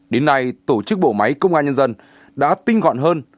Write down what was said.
đến nay tổ chức bộ máy công an nhân dân đã tinh gọn hơn